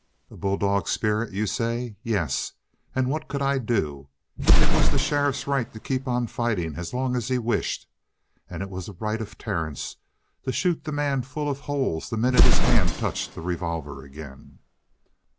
"A bulldog spirit, you say? Yes! And what could I do? It was the sheriff's right to keep on fighting as long as he wished. And it was the right of Terence to shoot the man full of holes the minute his hand touched the revolver again.